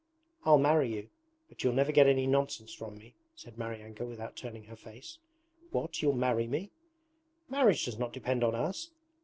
I'll marry you, but you'll never get any nonsense from me,' said Maryanka without turning her face. 'What, you'll marry me? Marriage does not depend on us.